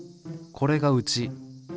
これがうち。